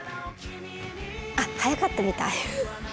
あっ早かったみたい。